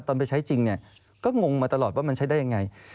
ตอนไปใช้จริงก็งงมาตลอดว่ามันใช้ได้อย่างไร